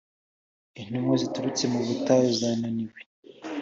intumwa ziturutse mu butayu zananiwe.